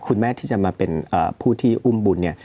คุณแม่ที่จะมาเป็นผู้ที่อุ้มบุญเนี่ย